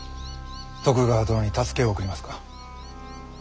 徳川殿に助けを送りますか？